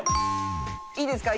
いいですか？